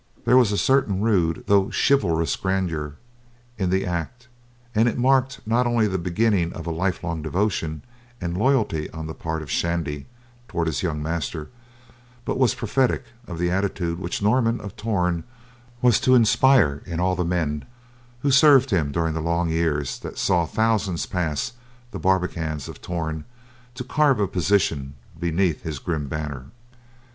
There was a certain rude, though chivalrous grandeur in the act; and it marked not only the beginning of a lifelong devotion and loyalty on the part of Shandy toward his young master, but was prophetic of the attitude which Norman of Torn was to inspire in all the men who served him during the long years that saw thousands pass the barbicans of Torn to crave a position beneath his grim banner.